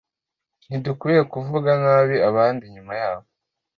Ntidukwiye kuvuga nabi abandi inyuma yabo.